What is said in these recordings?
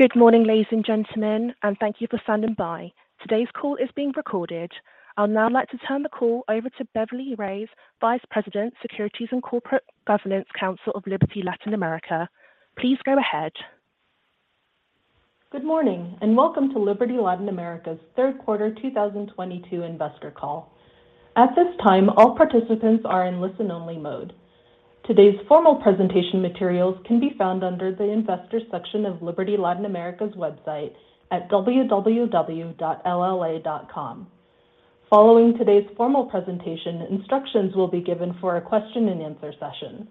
Good morning, ladies and gentlemen, and thank you for standing by. Today's call is being recorded. I'll now like to turn the call over to Beverly Reyes, Vice President, Securities, and Corporate Governance Counsel of Liberty Latin America. Please go ahead. Good morning, and welcome to Liberty Latin America's third quarter 2022 investor call. At this time, all participants are in listen-only mode. Today's formal presentation materials can be found under the Investors section of Liberty Latin America's website at www.lla.com. Following today's formal presentation, instructions will be given for a question-and-answer session.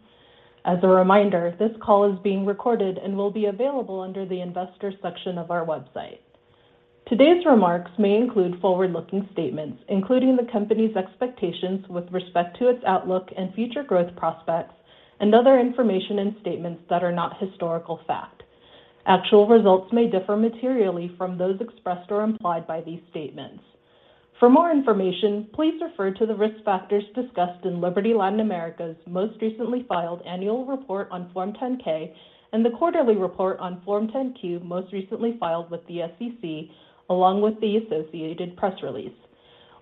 As a reminder, this call is being recorded and will be available under the Investors section of our website. Today's remarks may include forward-looking statements, including the Company's expectations with respect to its outlook and future growth prospects, and other information and statements that are not historical fact. Actual results may differ materially from those expressed or implied by these statements. For more information, please refer to the risk factors discussed in Liberty Latin America's most recently filed annual report on Form 10-K and the quarterly report on Form 10-Q, most recently filed with the SEC, along with the associated press release.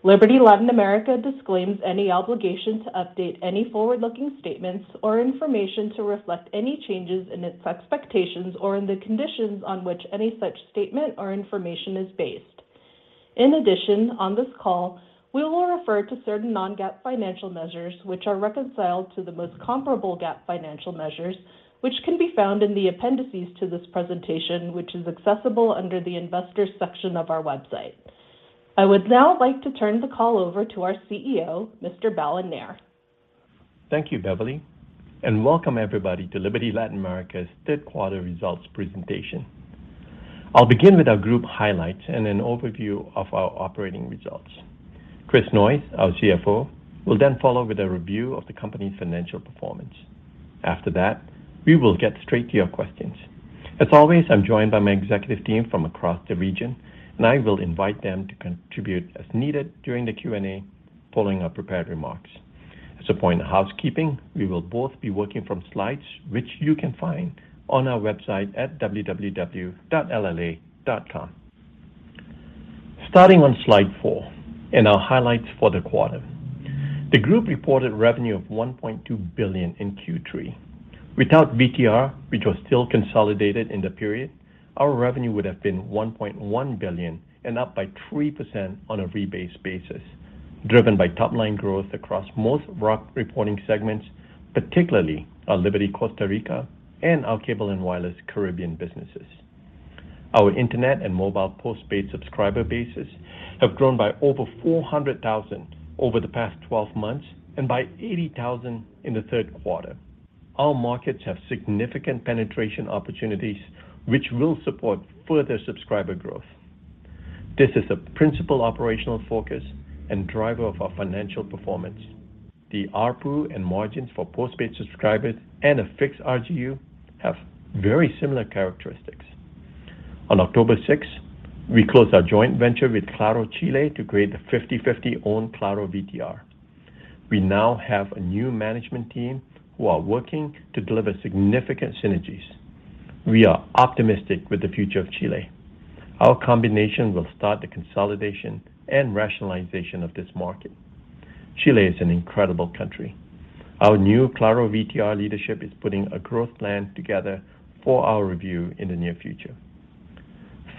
Liberty Latin America disclaims any obligation to update any forward-looking statements or information to reflect any changes in its expectations or in the conditions on which any such statement or information is based. In addition, on this call, we will refer to certain non-GAAP financial measures which are reconciled to the most comparable GAAP financial measures, which can be found in the appendices to this presentation, which is accessible under the investors section of our website. I would now like to turn the call over to our CEO, Mr. Balan Nair. Thank you, Beverly, and welcome everybody to Liberty Latin America's third quarter results presentation. I'll begin with our group highlights and an overview of our operating results. Chris Noyes, our CFO, will then follow with a review of the company's financial performance. After that, we will get straight to your questions. As always, I'm joined by my executive team from across the region, and I will invite them to contribute as needed during the Q&A following our prepared remarks. As a point of housekeeping, we will both be working from slides which you can find on our website at www.lla.com. Starting on slide four in our highlights for the quarter. The group reported revenue of $1.2 billion in Q3. Without VTR, which was still consolidated in the period, our revenue would have been $1.1 billion and up by 3% on a rebased basis, driven by top-line growth across most core reporting segments, particularly our Liberty Costa Rica and our Cable & Wireless Caribbean businesses. Our internet and mobile postpaid subscriber bases have grown by over 400,000 over the past 12 months and by 80,000 in the third quarter. Our markets have significant penetration opportunities, which will support further subscriber growth. This is the principal operational focus and driver of our financial performance. The ARPU and margins for postpaid subscribers and a fixed RGU have very similar characteristics. On October 6, we closed our joint venture with Claro Chile to create the 50-50 owned ClaroVTR. We now have a new management team who are working to deliver significant synergies. We are optimistic with the future of Chile. Our combination will start the consolidation and rationalization of this market. Chile is an incredible country. Our new ClaroVTR leadership is putting a growth plan together for our review in the near future.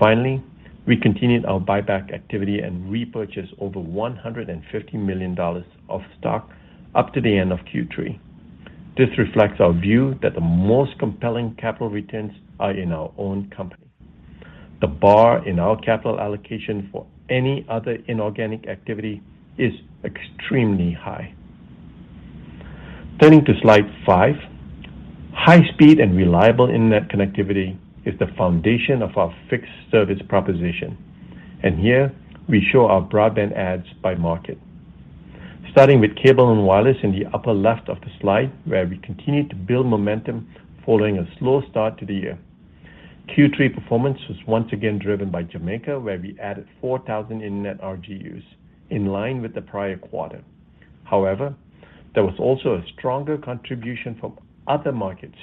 Finally, we continued our buyback activity and repurchased over $150 million of stock up to the end of Q3. This reflects our view that the most compelling capital returns are in our own company. The bar in our capital allocation for any other inorganic activity is extremely high. Turning to slide five. High speed and reliable internet connectivity is the foundation of our fixed service proposition, and here we show our broadband adds by market. Starting with Cable & Wireless in the upper left of the slide, where we continued to build momentum following a slow start to the year. Q3 performance was once again driven by Jamaica, where we added 4,000 internet RGUs in line with the prior quarter. However, there was also a stronger contribution from other markets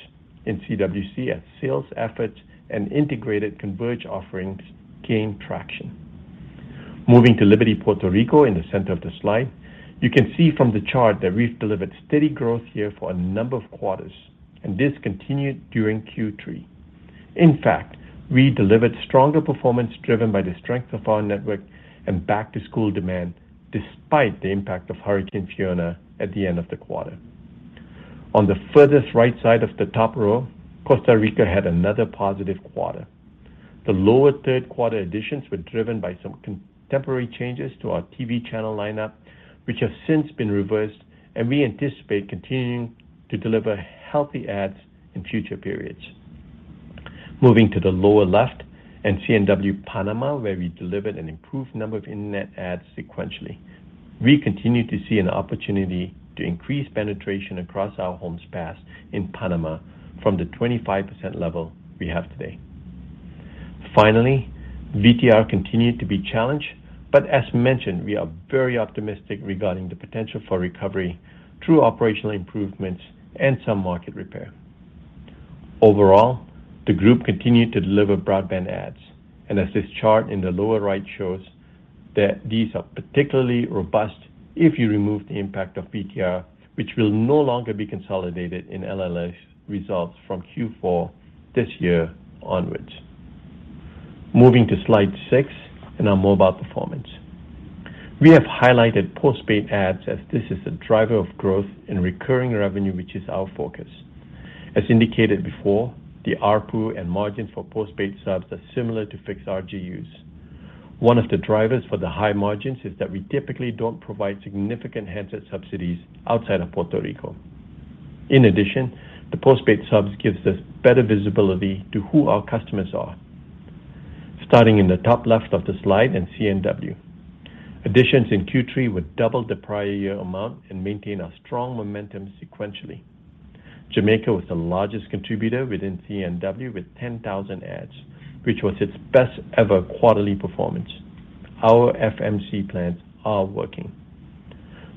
in CWC as sales efforts and integrated converged offerings gained traction. Moving to Liberty Puerto Rico in the center of the slide, you can see from the chart that we've delivered steady growth here for a number of quarters, and this continued during Q3. In fact, we delivered stronger performance driven by the strength of our network and back-to-school demand despite the impact of Hurricane Fiona at the end of the quarter. On the furthest right side of the top row, Costa Rica had another positive quarter. The lower third-quarter additions were driven by some temporary changes to our TV channel lineup, which have since been reversed, and we anticipate continuing to deliver healthy adds in future periods. Moving to the lower left and C&W Panama, where we delivered an improved number of internet adds sequentially. We continue to see an opportunity to increase penetration across our homes passed in Panama from the 25% level we have today. Finally, VTR continued to be challenged but as mentioned, we are very optimistic regarding the potential for recovery through operational improvements and some market repair. Overall, the group continued to deliver broadband adds, and as this chart in the lower right shows that these are particularly robust if you remove the impact of VTR, which will no longer be consolidated in LLA results from Q4 this year onwards. Moving to slide six in our mobile performance. We have highlighted postpaid adds as this is the driver of growth in recurring revenue, which is our focus. As indicated before, the ARPU and margin for postpaid subs are similar to fixed RGUs. One of the drivers for the high margins is that we typically don't provide significant handset subsidies outside of Puerto Rico. In addition, the postpaid subs gives us better visibility to who our customers are. Starting in the top left of the slide in C&W. Additions in Q3 would double the prior year amount and maintain our strong momentum sequentially. Jamaica was the largest contributor within C&W with 10,000 adds, which was its best ever quarterly performance. Our FMC plans are working.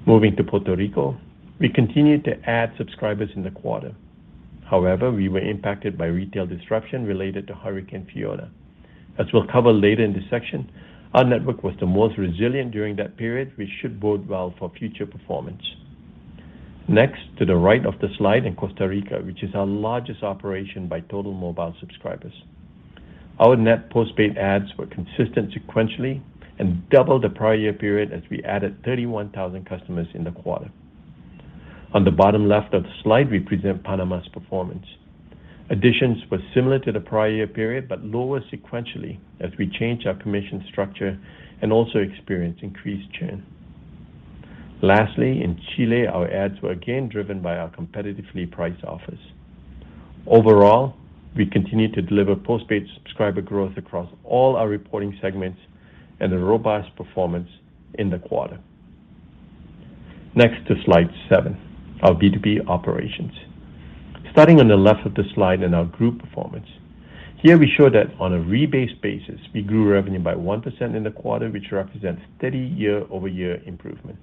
Moving to Puerto Rico, we continued to add subscribers in the quarter. However, we were impacted by retail disruption related to Hurricane Fiona. As we'll cover later in this section, our network was the most resilient during that period, which should bode well for future performance. Next, to the right of the slide in Costa Rica, which is our largest operation by total mobile subscribers. Our net postpaid adds were consistent sequentially and double the prior year period as we added 31,000 customers in the quarter. On the bottom left of the slide, we present Panama's performance. Additions were similar to the prior year period, but lower sequentially as we changed our commission structure and also experienced increased churn. Lastly, in Chile, our adds were again driven by our competitively priced offers. Overall, we continued to deliver postpaid subscriber growth across all our reporting segments and a robust performance in the quarter. Next, slide seven. Our B2B operations. Starting on the left of the slide in our group performance. Here we show that on a rebased basis, we grew revenue by 1% in the quarter, which represents steady year-over-year improvement.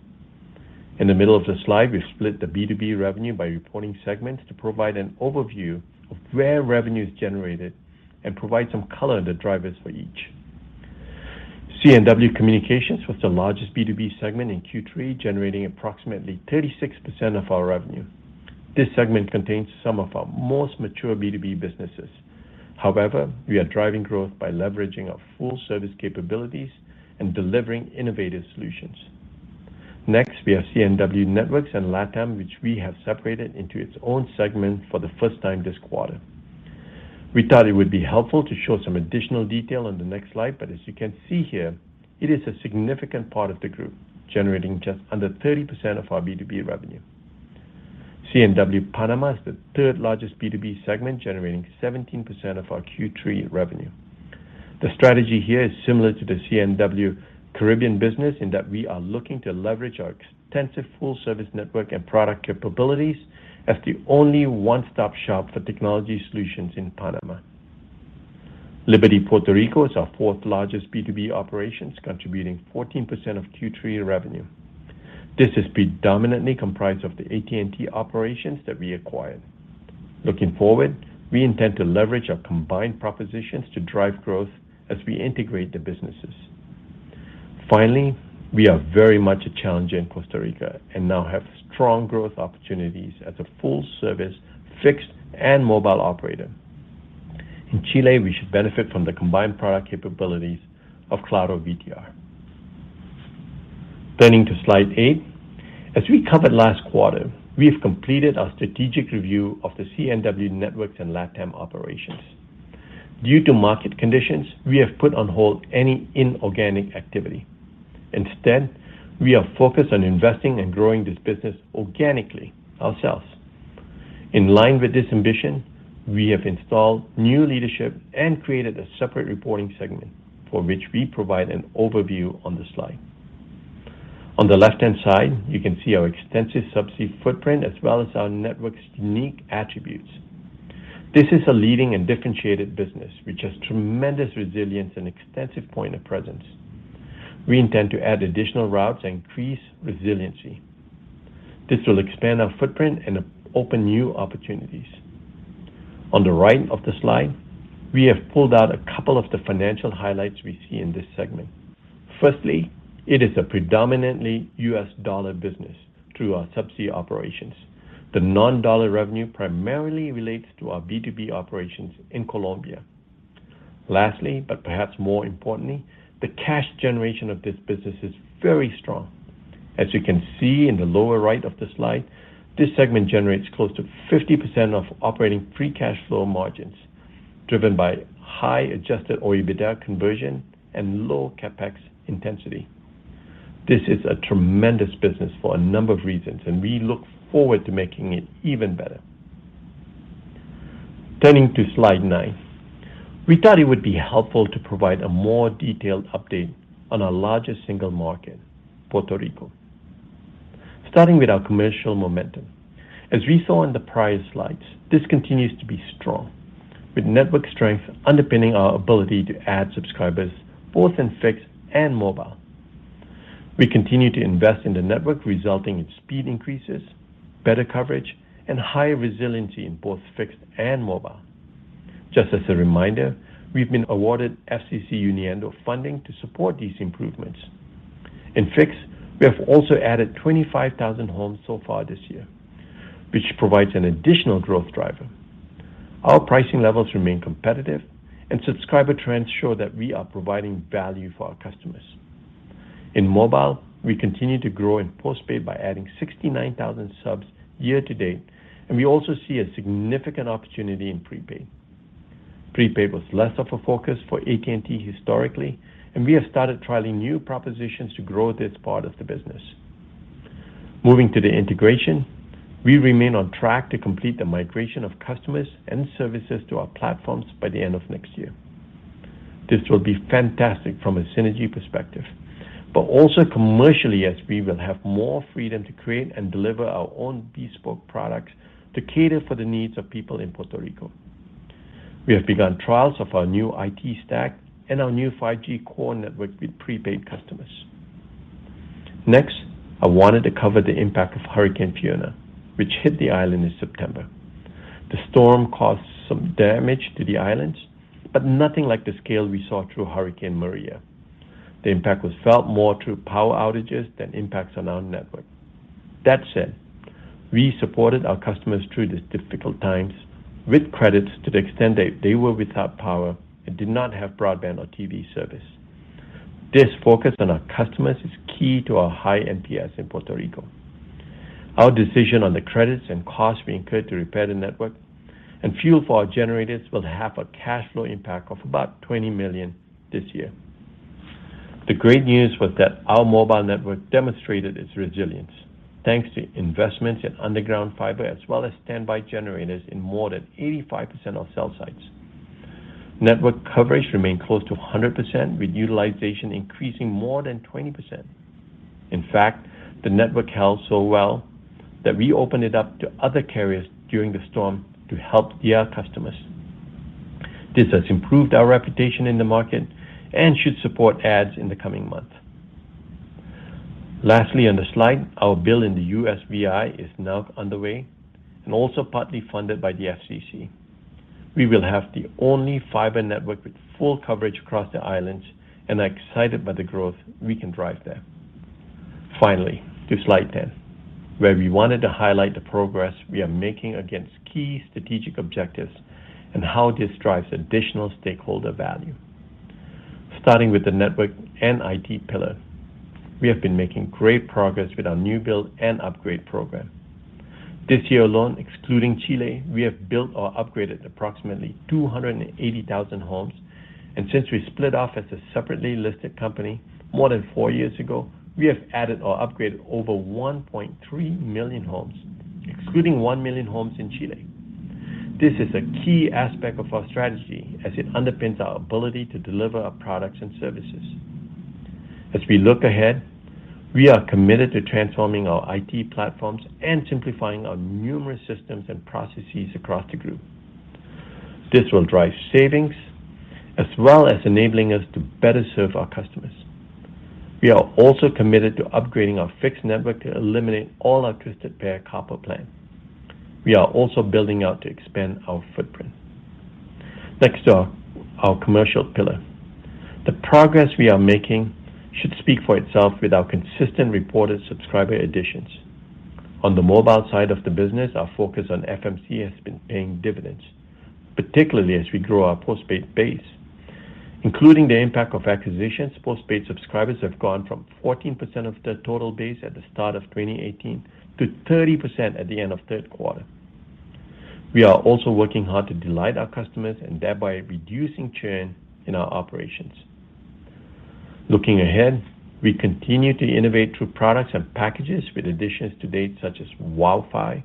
In the middle of the slide, we split the B2B revenue by reporting segments to provide an overview of where revenue is generated and provide some color on the drivers for each. C&W Communications was the largest B2B segment in Q3, generating approximately 36% of our revenue. This segment contains some of our most mature B2B businesses. However, we are driving growth by leveraging our full service capabilities and delivering innovative solutions. Next, we have C&W Networks and LatAm, which we have separated into its own segment for the first time this quarter. We thought it would be helpful to show some additional detail on the next slide, but as you can see here, it is a significant part of the group, generating just under 30% of our B2B revenue. C&W Panama is the third largest B2B segment, generating 17% of our Q3 revenue. The strategy here is similar to the C&W Caribbean business in that we are looking to leverage our extensive full service network and product capabilities as the only one-stop shop for technology solutions in Panama. Liberty Puerto Rico is our fourth largest B2B operations, contributing 14% of Q3 revenue. This is predominantly comprised of the AT&T operations that we acquired. Looking forward, we intend to leverage our combined propositions to drive growth as we integrate the businesses. Finally, we are very much a challenger in Costa Rica and now have strong growth opportunities as a full service fixed and mobile operator. In Chile, we should benefit from the combined product capabilities of ClaroVTR. Turning to slide eight. As we covered last quarter, we have completed our strategic review of the C&W Networks and LatAm operations. Due to market conditions, we have put on hold any inorganic activity. Instead, we are focused on investing and growing this business organically ourselves. In line with this ambition, we have installed new leadership and created a separate reporting segment for which we provide an overview on the slide. On the left-hand side, you can see our extensive subsea footprint as well as our network's unique attributes. This is a leading and differentiated business, which has tremendous resilience and extensive point of presence. We intend to add additional routes and increase resiliency. This will expand our footprint and open new opportunities. On the right of the slide, we have pulled out a couple of the financial highlights we see in this segment. Firstly, it is a predominantly U.S. dollar business through our subsea operations. The non-dollar revenue primarily relates to our B2B operations in Colombia. Lastly, but perhaps more importantly, the cash generation of this business is very strong. As you can see in the lower right of the slide, this segment generates close to 50% of operating free cash flow margins driven by high Adjusted OIBDA conversion and low CapEx intensity. This is a tremendous business for a number of reasons, and we look forward to making it even better. Turning to slide 9. We thought it would be helpful to provide a more detailed update on our largest single market, Puerto Rico. Starting with our commercial momentum. As we saw in the prior slides, this continues to be strong, with network strength underpinning our ability to add subscribers both in fixed and mobile. We continue to invest in the network, resulting in speed increases, better coverage, and higher resiliency in both fixed and mobile. Just as a reminder, we've been awarded FCC Uniendo funding to support these improvements. In fixed, we have also added 25,000 homes so far this year, which provides an additional growth driver. Our pricing levels remain competitive and subscriber trends show that we are providing value for our customers. In mobile, we continue to grow in postpaid by adding 69,000 subs year to date, and we also see a significant opportunity in prepaid. Prepaid was less of a focus for AT&T historically, and we have started trialing new propositions to grow this part of the business. Moving to the integration, we remain on track to complete the migration of customers and services to our platforms by the end of next year. This will be fantastic from a synergy perspective, but also commercially as we will have more freedom to create and deliver our own bespoke products to cater for the needs of people in Puerto Rico. We have begun trials of our new IT stack and our new 5G core network with prepaid customers. Next, I wanted to cover the impact of Hurricane Fiona, which hit the island in September. The storm caused some damage to the islands, but nothing like the scale we saw through Hurricane Maria. The impact was felt more through power outages than impacts on our network. That said, we supported our customers through these difficult times with credits to the extent that they were without power and did not have broadband or TV service. This focus on our customers is key to our high NPS in Puerto Rico. Our decision on the credits and costs we incurred to repair the network and fuel for our generators will have a cash flow impact of about $20 million this year. The great news was that our mobile network demonstrated its resilience, thanks to investments in underground fiber as well as standby generators in more than 85% of cell sites. Network coverage remained close to 100%, with utilization increasing more than 20%. In fact, the network held so well that we opened it up to other carriers during the storm to help their customers. This has improved our reputation in the market and should support adds in the coming months. Lastly, on the slide, our build in the USVI is now underway and also partly funded by the FCC. We will have the only fiber network with full coverage across the islands and are excited by the growth we can drive there. Finally, to slide 10, where we wanted to highlight the progress we are making against key strategic objectives and how this drives additional stakeholder value. Starting with the network and IT pillar, we have been making great progress with our new build and upgrade program. This year alone, excluding Chile, we have built or upgraded approximately 280,000 homes. Since we split off as a separately listed company more than four years ago, we have added or upgraded over 1.3 million homes, excluding 1 million homes in Chile. This is a key aspect of our strategy as it underpins our ability to deliver our products and services. As we look ahead, we are committed to transforming our IT platforms and simplifying our numerous systems and processes across the group. This will drive savings as well as enabling us to better serve our customers. We are also committed to upgrading our fixed network to eliminate all our twisted pair copper plant. We are also building out to expand our footprint. Next slide, our commercial pillar. The progress we are making should speak for itself with our consistent reported subscriber additions. On the mobile side of the business, our focus on FMC has been paying dividends, particularly as we grow our postpaid base. Including the impact of acquisitions, postpaid subscribers have gone from 14% of the total base at the start of 2018 to 30% at the end of third quarter. We are also working hard to delight our customers and thereby reducing churn in our operations. Looking ahead, we continue to innovate through products and packages with additions to date such as WowFi,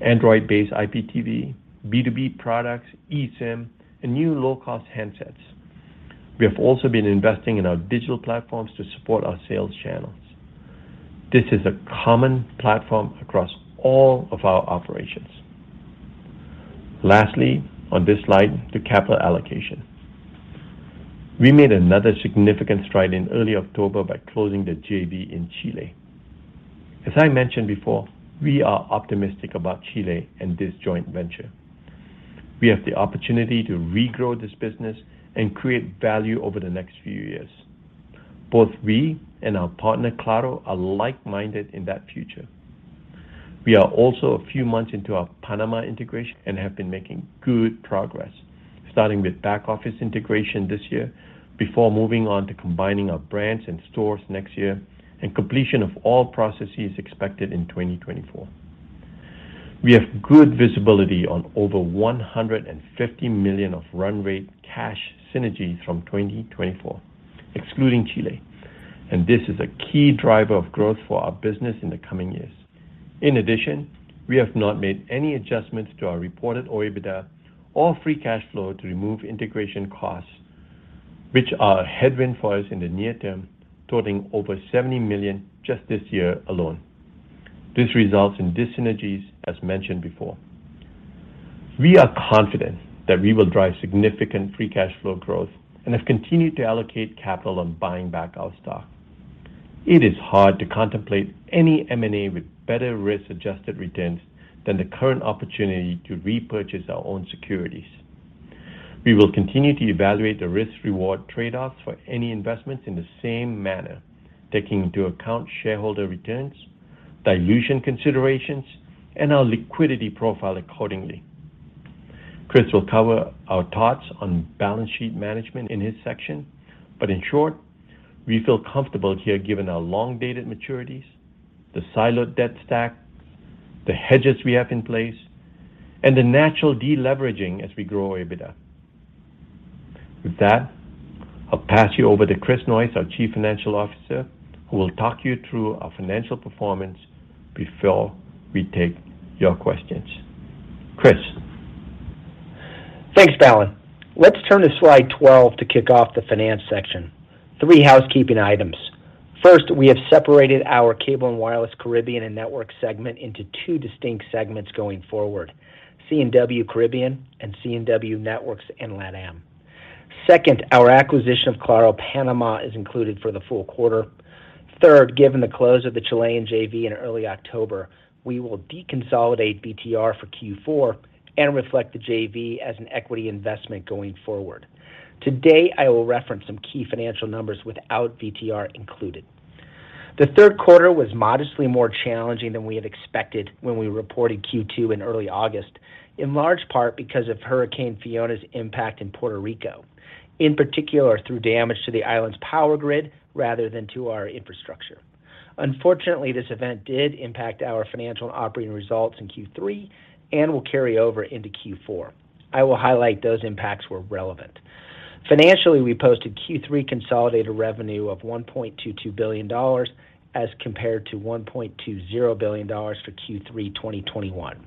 Android-based IPTV, B2B products, eSIM, and new low-cost handsets. We have also been investing in our digital platforms to support our sales channels. This is a common platform across all of our operations. Lastly, on this slide, the capital allocation. We made another significant stride in early October by closing the JV in Chile. As I mentioned before, we are optimistic about Chile and this joint venture. We have the opportunity to regrow this business and create value over the next few years. Both we and our partner, Claro, are like-minded in that future. We are also a few months into our Panama integration and have been making good progress, starting with back-office integration this year before moving on to combining our brands and stores next year and completion of all processes expected in 2024. We have good visibility on over $150 million of run rate cash synergies from 2024, excluding Chile, and this is a key driver of growth for our business in the coming years. In addition, we have not made any adjustments to our reported OIBDA or free cash flow to remove integration costs, which are headwind for us in the near term, totaling over $70 million just this year alone. This results in dyssynergies as mentioned before. We are confident that we will drive significant free cash flow growth and have continued to allocate capital on buying back our stock. It is hard to contemplate any M&A with better risk-adjusted returns than the current opportunity to repurchase our own securities. We will continue to evaluate the risk-reward trade-offs for any investments in the same manner, taking into account shareholder returns, dilution considerations, and our liquidity profile accordingly. Chris will cover our thoughts on balance sheet management in his section, but in short, we feel comfortable here given our long-dated maturities, the siloed debt stack, the hedges we have in place, and the natural de-leveraging as we grow EBITDA. With that, I'll pass you over to Chris Noyes, our Chief Financial Officer, who will talk you through our financial performance before we take your questions. Chris. Thanks, Balan. Let's turn to slide 12 to kick off the finance section. Three housekeeping items. First, we have separated our Cable & Wireless Caribbean and Networks segment into two distinct segments going forward, C&W Caribbean and C&W Networks in LatAm. Second, our acquisition of Claro Panamá is included for the full quarter. Third, given the close of the Chilean JV in early October, we will deconsolidate VTR for Q4 and reflect the JV as an equity investment going forward. Today, I will reference some key financial numbers without VTR included. The third quarter was modestly more challenging than we had expected when we reported Q2 in early August, in large part because of Hurricane Fiona's impact in Puerto Rico, in particular through damage to the island's power grid rather than to our infrastructure. Unfortunately, this event did impact our financial and operating results in Q3 and will carry over into Q4. I will highlight those impacts where relevant. Financially, we posted Q3 consolidated revenue of $1.22 billion as compared to $1.20 billion for Q3 2021.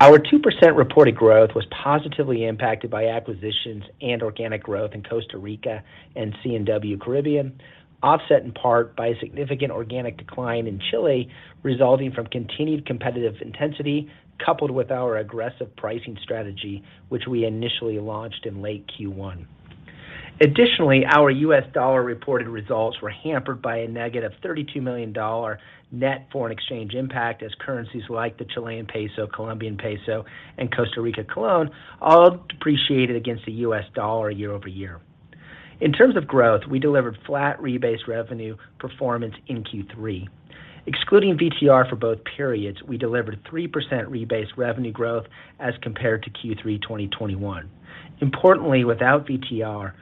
Our 2% reported growth was positively impacted by acquisitions and organic growth in Costa Rica and C&W Caribbean, offset in part by significant organic decline in Chile resulting from continued competitive intensity coupled with our aggressive pricing strategy, which we initially launched in late Q1. Additionally, our US dollar reported results were hampered by a negative $32 million net foreign exchange impact as currencies like the Chilean peso, Colombian peso, and Costa Rica colon all depreciated against the US dollar year-over-year. In terms of growth, we delivered flat rebased revenue performance in Q3. Excluding VTR for both periods, we delivered 3% rebased revenue growth as compared to Q3 2021. Importantly, without VTR,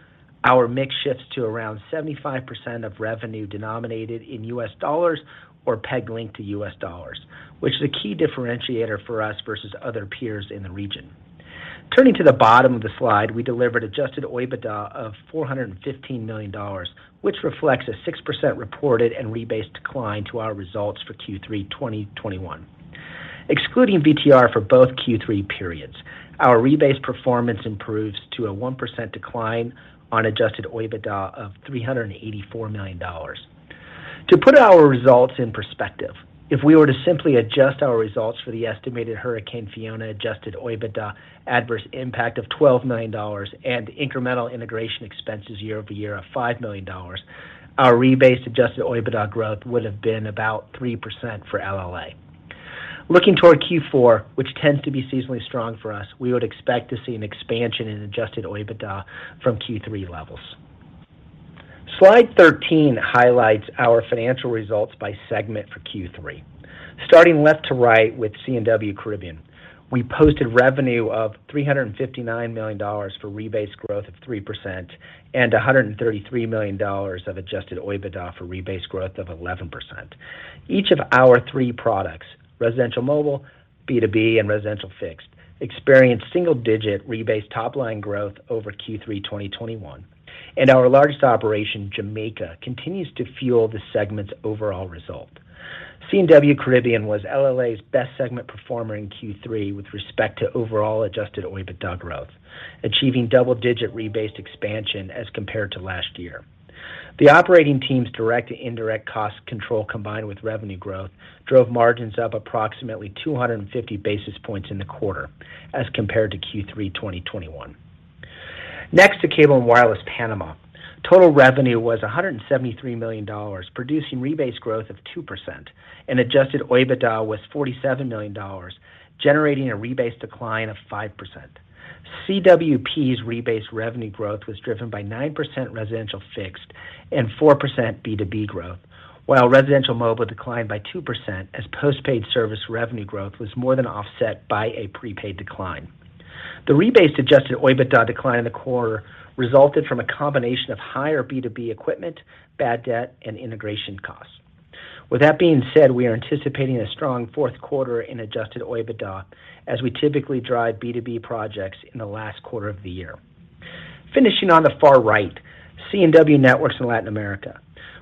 our mix shifts to around 75% of revenue denominated in U.S. dollars or peg linked to U.S. dollars, which is a key differentiator for us versus other peers in the region. Turning to the bottom of the slide, we delivered adjusted OIBDA of $415 million, which reflects a 6% reported and rebased decline to our results for Q3 2021. Excluding VTR for both Q3 periods, our rebased performance improves to a 1% decline on adjusted OIBDA of $384 million. To put our results in perspective, if we were to simply adjust our results for the estimated Hurricane Fiona adjusted OIBDA adverse impact of $12 million and incremental integration expenses year-over-year of $5 million, our rebased adjusted OIBDA growth would have been about 3% for LLA. Looking toward Q4, which tends to be seasonally strong for us, we would expect to see an expansion in adjusted OIBDA from Q3 levels. Slide 13 highlights our financial results by segment for Q3. Starting left to right with C&W Caribbean, we posted revenue of $359 million for rebased growth of 3% and $133 million of adjusted OIBDA for rebased growth of 11%. Each of our three products, residential mobile, B2B, and residential fixed, experienced single-digit rebased top-line growth over Q3 2021, and our largest operation, Jamaica, continues to fuel the segment's overall result. C&W Caribbean was LLA's best segment performer in Q3 with respect to overall adjusted OIBDA growth, achieving double-digit rebased expansion as compared to last year. The operating team's direct and indirect cost control combined with revenue growth drove margins up approximately 250 basis points in the quarter as compared to Q3 2021. Next, Cable & Wireless Panamá. Total revenue was $173 million, producing rebased growth of 2%, and adjusted OIBDA was $47 million, generating a rebased decline of 5%. CWP's rebased revenue growth was driven by 9% residential fixed and 4% B2B growth, while residential mobile declined by 2% as post-paid service revenue growth was more than offset by a prepaid decline. The rebased Adjusted OIBDA decline in the quarter resulted from a combination of higher B2B equipment, bad debt, and integration costs. With that being said, we are anticipating a strong fourth quarter in Adjusted OIBDA as we typically drive B2B projects in the last quarter of the year. Finishing on the far right, C&W Networks in Latin America.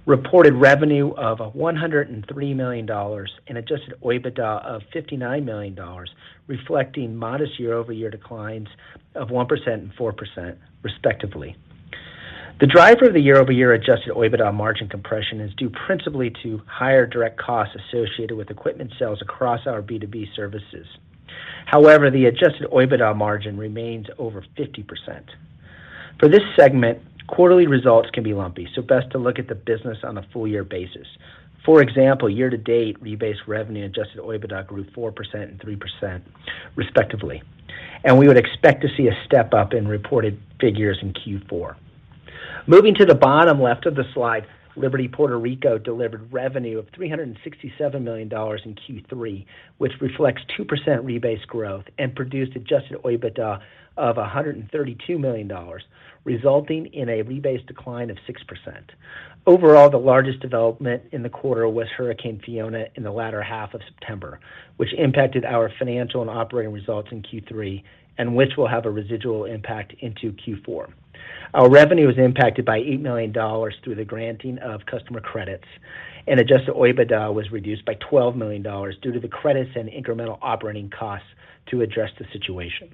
Reported revenue of $103 million and Adjusted OIBDA of $59 million, reflecting modest year-over-year declines of 1% and 4% respectively. The driver of the year-over-year Adjusted OIBDA margin compression is due principally to higher direct costs associated with equipment sales across our B2B services. However, the Adjusted OIBDA margin remains over 50%. For this segment, quarterly results can be lumpy, so best to look at the business on a full year basis. For example, year to date rebased revenue Adjusted OIBDA grew 4% and 3% respectively, and we would expect to see a step up in reported figures in Q4. Moving to the bottom left of the slide, Liberty Puerto Rico delivered revenue of $367 million in Q3, which reflects 2% rebased growth and produced Adjusted OIBDA of $132 million, resulting in a rebased decline of 6%. Overall, the largest development in the quarter was Hurricane Fiona in the latter half of September, which impacted our financial and operating results in Q3 and which will have a residual impact into Q4. Our revenue was impacted by $8 million through the granting of customer credits, and Adjusted OIBDA was reduced by $12 million due to the credits and incremental operating costs to address the situation.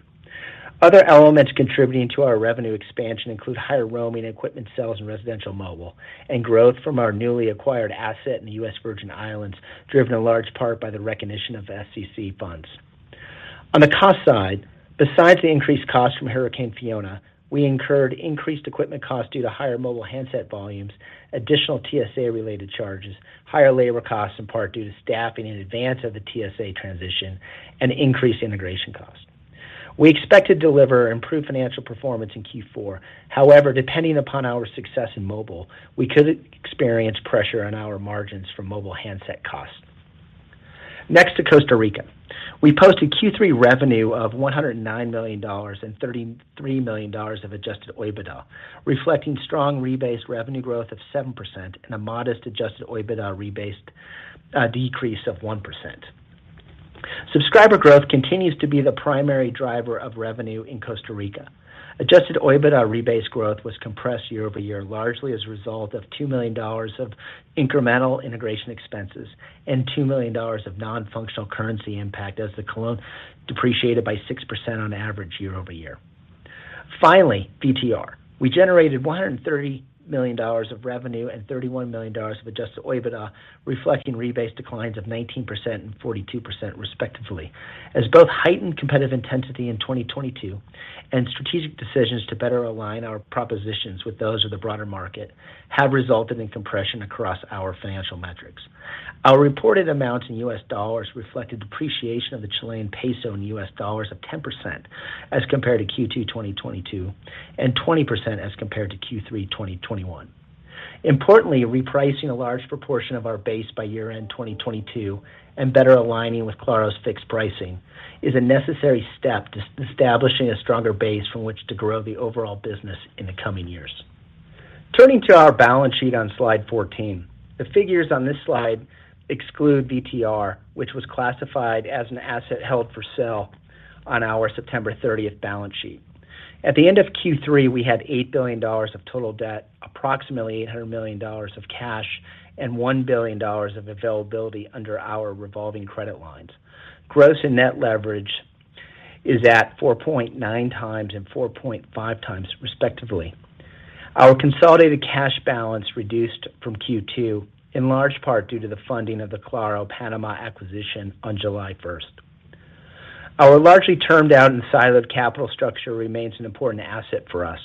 Other elements contributing to our revenue expansion include higher roaming equipment sales in residential mobile and growth from our newly acquired asset in the US Virgin Islands, driven in large part by the recognition of FCC funds. On the cost side, besides the increased costs from Hurricane Fiona, we incurred increased equipment costs due to higher mobile handset volumes, additional TSA related charges, higher labor costs in part due to staffing in advance of the TSA transition and increased integration costs. We expect to deliver improved financial performance in Q4. However, depending upon our success in mobile, we could experience pressure on our margins from mobile handset costs. Next to Costa Rica, we posted Q3 revenue of $109 million and $33 million of adjusted OIBDA, reflecting strong rebased revenue growth of 7% and a modest adjusted OIBDA rebased decrease of 1%. Subscriber growth continues to be the primary driver of revenue in Costa Rica. Adjusted OIBDA rebased growth was compressed year-over-year, largely as a result of $2 million of incremental integration expenses and $2 million of non-functional currency impact as the colon depreciated by 6% on average year-over-year. Finally, VTR. We generated $130 million of revenue and $31 million of adjusted OIBDA, reflecting rebased declines of 19% and 42% respectively. As both heightened competitive intensity in 2022 and strategic decisions to better align our propositions with those of the broader market have resulted in compression across our financial metrics. Our reported amounts in U.S. dollars reflect a depreciation of the Chilean peso in US dollars of 10% as compared to Q2 2022 and 20% as compared to Q3 2021. Importantly, repricing a large proportion of our base by year end 2022 and better aligning with Claro's fixed pricing is a necessary step to establishing a stronger base from which to grow the overall business in the coming years. Turning to our balance sheet on slide 14. The figures on this slide exclude VTR, which was classified as an asset held for sale on our September 30th balance sheet. At the end of Q3, we had $8 billion of total debt, approximately $800 million of cash, and $1 billion of availability under our revolving credit lines. Gross and net leverage is at 4.9 times and 4.5 times respectively. Our consolidated cash balance reduced from Q2, in large part due to the funding of the Claro Panamá acquisition on July 1st. Our largely termed out and siloed capital structure remains an important asset for us.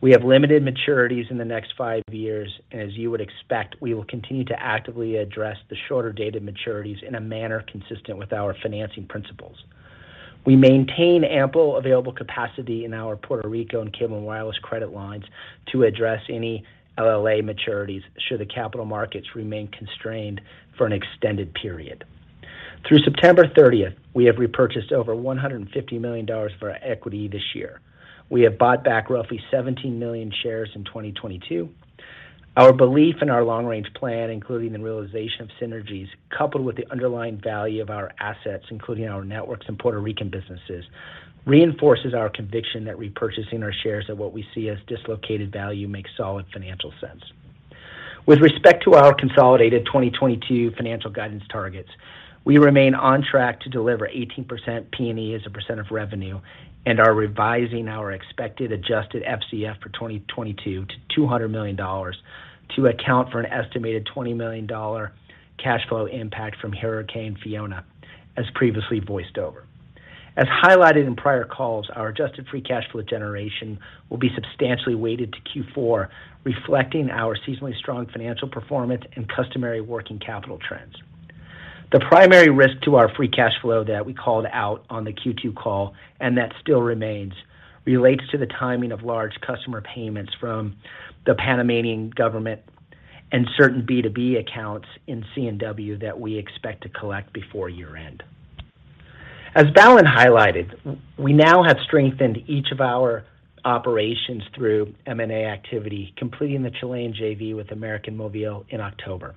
We have limited maturities in the next five years, and as you would expect, we will continue to actively address the shorter dated maturities in a manner consistent with our financing principles. We maintain ample available capacity in our Puerto Rico and Cable & Wireless credit lines to address any LLA maturities should the capital markets remain constrained for an extended period. Through September 30th, we have repurchased over $150 million of our equity this year. We have bought back roughly 17 million shares in 2022. Our belief in our long range plan, including the realization of synergies coupled with the underlying value of our assets, including our networks and Puerto Rican businesses, reinforces our conviction that repurchasing our shares at what we see as dislocated value makes solid financial sense. With respect to our consolidated 2022 financial guidance targets, we remain on track to deliver 18% P&E as a percent of revenue and are revising our expected adjusted FCF for 2022 to $200 million to account for an estimated $20 million cash flow impact from Hurricane Fiona as previously disclosed. As highlighted in prior calls, our adjusted free cash flow generation will be substantially weighted to Q4, reflecting our seasonally strong financial performance and customary working capital trends. The primary risk to our free cash flow that we called out on the Q2 call, and that still remains, relates to the timing of large customer payments from the Panamanian government and certain B2B accounts in C&W that we expect to collect before year end. As Balan highlighted, we now have strengthened each of our operations through M&A activity, completing the Chilean JV with América Móvil in October.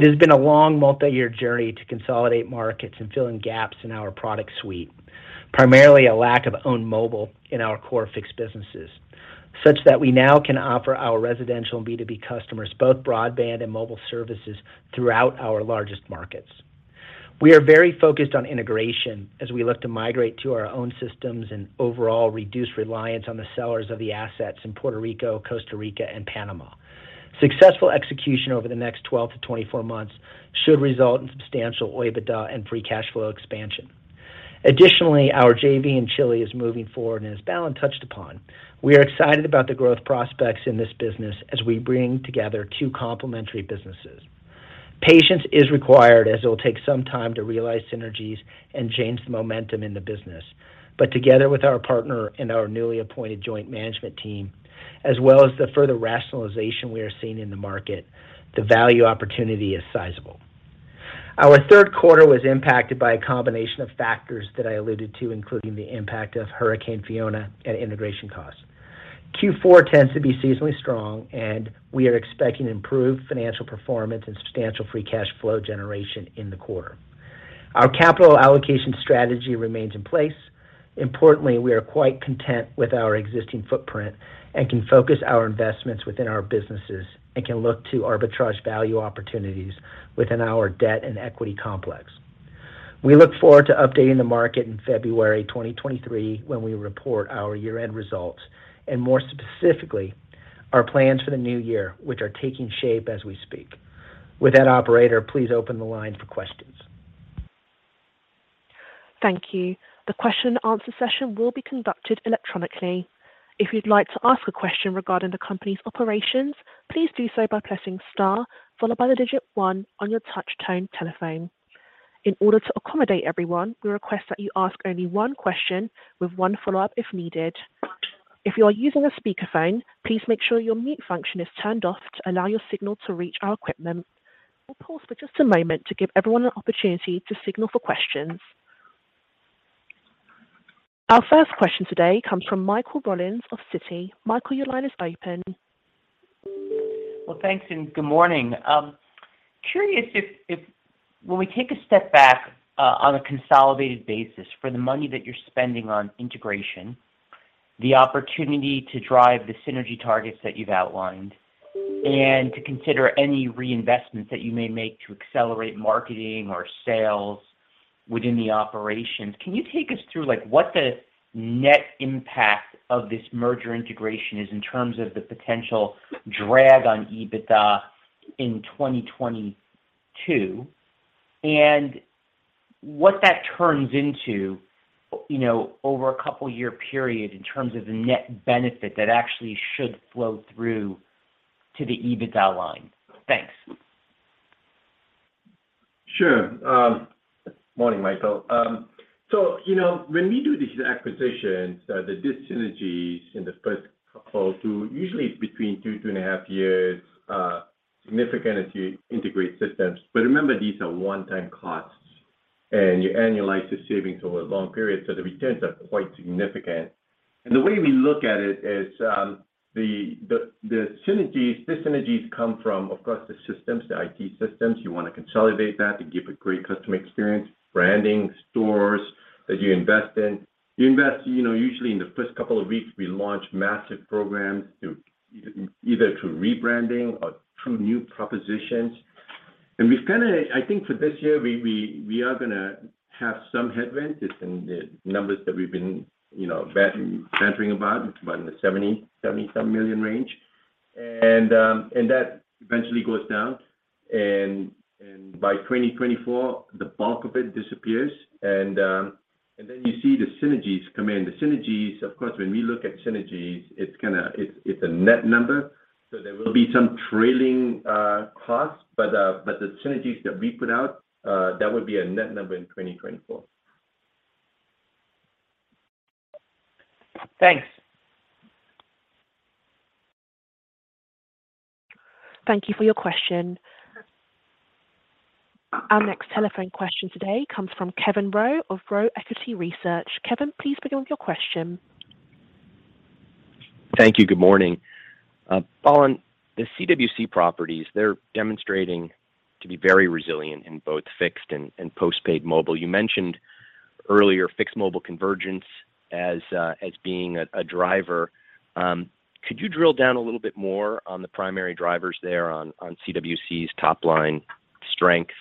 It has been a long multi-year journey to consolidate markets and fill in gaps in our product suite. Primarily a lack of own mobile in our core fixed businesses, such that we now can offer our residential and B2B customers both broadband and mobile services throughout our largest markets. We are very focused on integration as we look to migrate to our own systems and overall reduce reliance on the sellers of the assets in Puerto Rico, Costa Rica, and Panama. Successful execution over the next 12-24 months should result in substantial OIBDA and free cash flow expansion. Additionally, our JV in Chile is moving forward, and as Balan touched upon, we are excited about the growth prospects in this business as we bring together two complementary businesses. Patience is required as it will take some time to realize synergies and change the momentum in the business. Together with our partner and our newly appointed joint management team, as well as the further rationalization we are seeing in the market, the value opportunity is sizable. Our third quarter was impacted by a combination of factors that I alluded to, including the impact of Hurricane Fiona and integration costs. Q4 tends to be seasonally strong, and we are expecting improved financial performance and substantial free cash flow generation in the quarter. Our capital allocation strategy remains in place. Importantly, we are quite content with our existing footprint and can focus our investments within our businesses and can look to arbitrage value opportunities within our debt and equity complex. We look forward to updating the market in February 2023 when we report our year-end results and more specifically, our plans for the new year, which are taking shape as we speak. With that, operator, please open the line for questions. Thank you. The question and answer session will be conducted electronically. If you'd like to ask a question regarding the company's operations, please do so by pressing star followed by the digit one on your touch tone telephone. In order to accommodate everyone, we request that you ask only one question with one follow-up if needed. If you are using a speakerphone, please make sure your mute function is turned off to allow your signal to reach our equipment. We'll pause for just a moment to give everyone an opportunity to signal for questions. Our first question today comes from Michael Rollins of Citi. Michael, your line is open. Well, thanks, and good morning. Curious if when we take a step back, on a consolidated basis for the money that you're spending on integration, the opportunity to drive the synergy targets that you've outlined, and to consider any reinvestments that you may make to accelerate marketing or sales within the operations. Can you take us through, like, what the net impact of this merger integration is in terms of the potential drag on EBITDA in 2022, and what that turns into, you know, over a couple year period in terms of the net benefit that actually should flow through to the EBITDA line? Thanks. Sure. Morning, Michael. So, you know, when we do these acquisitions, the dyssynergies in the first couple usually it's between two to a half years years, significant as you integrate systems. Remember, these are one-time costs, and you annualize the savings over long periods, so the returns are quite significant. The way we look at it is, the synergies, dyssynergies come from, of course, the systems, the IT systems. You wanna consolidate that to give a great customer experience, branding stores that you invest in. You invest, you know, usually in the first couple of weeks, we launch massive programs to either through rebranding or through new propositions. I think for this year, we are gonna have some headwinds. It's in the numbers that we've been, you know, bantering about. It's about in the $70-some million range. That eventually goes down. By 2024, the bulk of it disappears. You see the synergies come in. The synergies, of course, when we look at synergies, it's kinda a net number. There will be some trailing costs, but the synergies that we put out, that would be a net number in 2024. Thanks. Thank you for your question. Our next telephone question today comes from Kevin Roe of Roe Equity Research. Kevin, please begin with your question. Thank you. Good morning. Balan, the CWC properties, they're demonstrating to be very resilient in both fixed and post-paid mobile. You mentioned earlier fixed mobile convergence as being a driver. Could you drill down a little bit more on the primary drivers there on CWC's top line strength?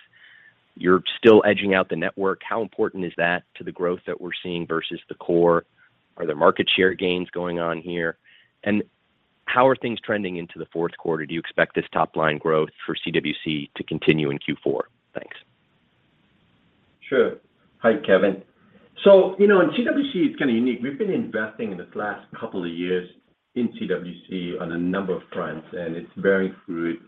You're still upgrading the network. How important is that to the growth that we're seeing versus the core? Are there market share gains going on here? How are things trending into the fourth quarter? Do you expect this top line growth for CWC to continue in Q4? Thanks. Sure. Hi, Kevin. You know, CWC is kinda unique. We've been investing in this last couple of years in CWC on a number of fronts, and it's bearing fruit.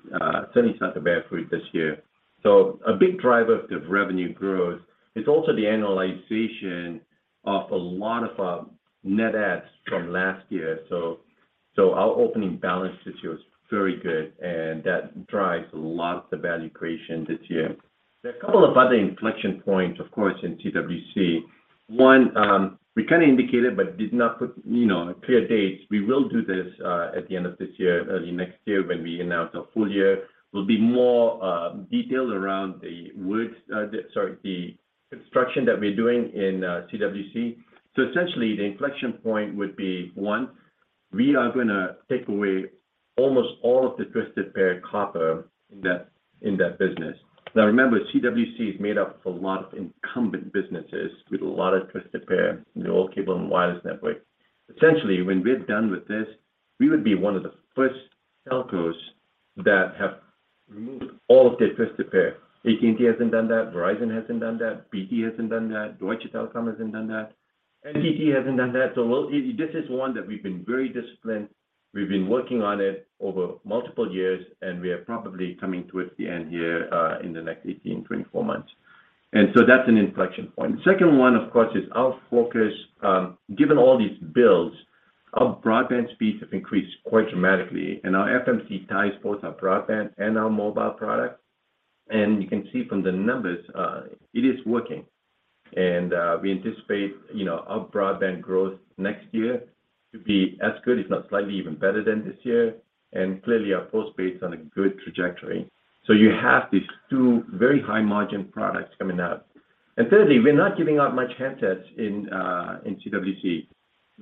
Certainly it's not bearing fruit this year. A big driver of revenue growth is also the annualization of a lot of net adds from last year. Our opening balance this year was very good, and that drives a lot of the value creation this year. There are a couple of other inflection points, of course, in CWC. One, we kinda indicated but did not put, you know, clear dates. We will do this at the end of this year, early next year when we announce our full year. We'll be more detailed around the construction that we're doing in CWC. Essentially, the inflection point would be, one, we are gonna take away almost all of the twisted pair copper in that, in that business. Now remember, CWC is made up of a lot of incumbent businesses with a lot of twisted pair, the old Cable & Wireless network. Essentially, when we're done with this, we would be one of the first telcos that have removed all of their twisted pair. AT&T hasn't done that, Verizon hasn't done that, BT hasn't done that, Deutsche Telekom hasn't done that, NTT hasn't done that. This is one that we've been very disciplined. We've been working on it over multiple years, and we are probably coming towards the end here, in the next 18-24 months. That's an inflection point. Second one, of course, is our focus, given all these builds, our broadband speeds have increased quite dramatically, and our FMC ties both our broadband and our mobile products. You can see from the numbers, it is working. We anticipate, you know, our broadband growth next year to be as good, if not slightly even better than this year. Clearly, our postpaid is on a good trajectory. You have these two very high-margin products coming up. Thirdly, we're not giving out much handsets in CWC.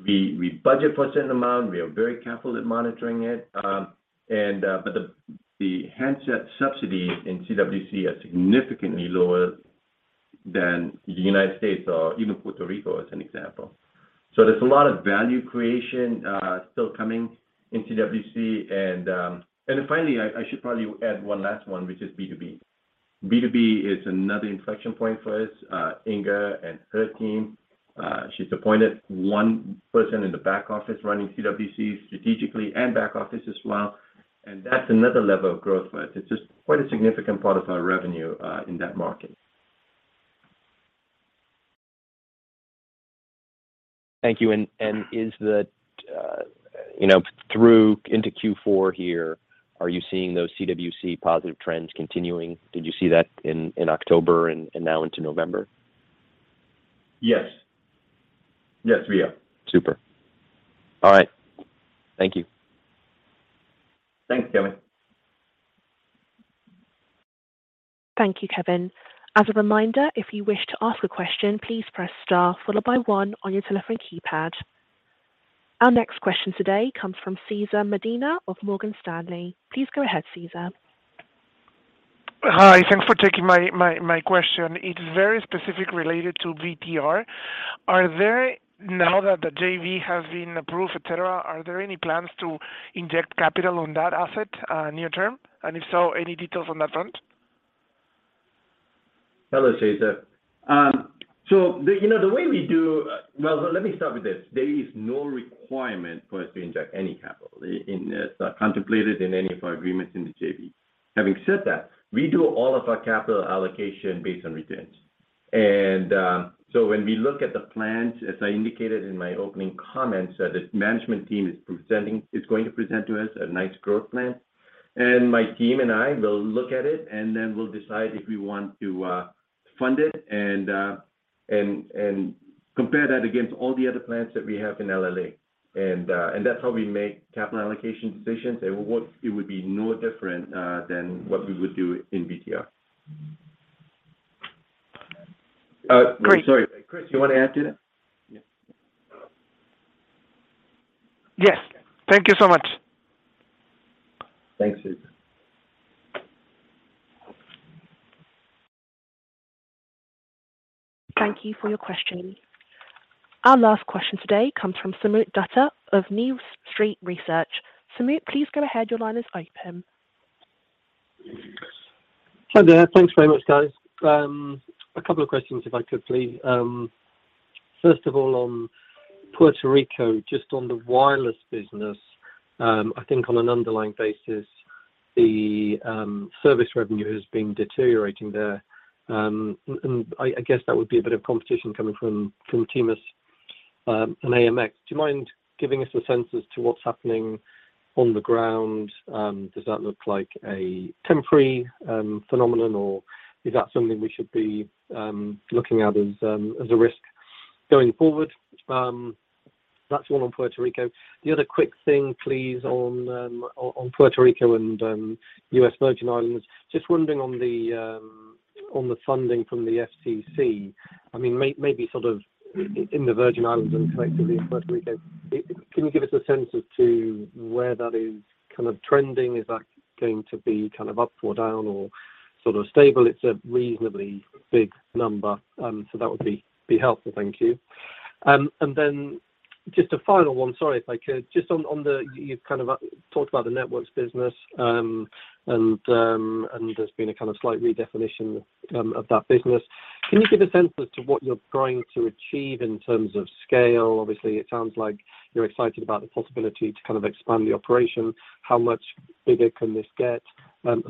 We budget for a certain amount. We are very careful at monitoring it. But the handset subsidies in CWC are significantly lower than the United States or even Puerto Rico, as an example. There's a lot of value creation still coming in CWC. Finally, I should probably add one last one, which is B2B. B2B is another inflection point for us. Inge and her team, she's appointed one person in the back office running CWC strategically and back office as well, and that's another level of growth for us. It's just quite a significant part of our revenue in that market. Thank you. Is there, you know, through into Q4 here, are you seeing those CWC positive trends continuing? Did you see that in October and now into November? Yes. Yes, we are. Super. All right. Thank you. Thanks, Kevin. Thank you, Kevin. As a reminder, if you wish to ask a question, please press star followed by one on your telephone keypad. Our next question today comes from Cesar Medina of Morgan Stanley. Please go ahead, Cesar. Hi. Thanks for taking my question. It's very specific related to VTR. Now that the JV has been approved, et cetera, are there any plans to inject capital on that asset near term? If so, any details on that front? Hello, Cesar. Well, let me start with this. There is no requirement for us to inject any capital contemplated in any of our agreements in the JV. Having said that, we do all of our capital allocation based on returns. When we look at the plans, as I indicated in my opening comments, the management team is going to present to us a nice growth plan. My team and I will look at it, and then we'll decide if we want to fund it and compare that against all the other plans that we have in LLA. That's how we make capital allocation decisions. It would be no different than what we would do in VTR. I'm sorry. Chris, you wanna add to that? Yes. Thank you so much. Thanks, Cesar. Thank you for your question. Our last question today comes from Soomit Datta of New Street Research. Soomit, please go ahead. Your line is open. Yes. Hi there. Thanks very much, guys. A couple of questions if I could, please. First of all, on Puerto Rico, just on the wireless business, I think on an underlying basis, the service revenue has been deteriorating there. I guess that would be a bit of competition coming from T-Mobile and AMX. Do you mind giving us a sense as to what's happening on the ground? Does that look like a temporary phenomenon, or is that something we should be looking at as a risk going forward? That's one on Puerto Rico. The other quick thing, please, on Puerto Rico and U.S. Virgin Islands, just wondering on the funding from the FCC. I mean, maybe sort of in the Virgin Islands and collectively in Puerto Rico, can you give us a sense as to where that is kind of trending? Is that going to be kind of up or down or sort of stable? It's a reasonably big number, so that would be helpful. Thank you. Just a final one. Sorry if I could. Just on the, you've kind of talked about the networks business, and there's been a kind of slight redefinition of that business. Can you give a sense as to what you're going to achieve in terms of scale? Obviously, it sounds like you're excited about the possibility to kind of expand the operation. How much bigger can this get, and